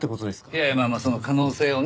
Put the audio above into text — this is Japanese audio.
いやまあまあその可能性をね